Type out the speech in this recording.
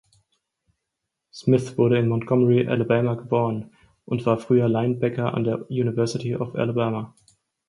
Smith wurde in Montgomery, Alabama, geboren und war früher Linebacker an der University of Alabama.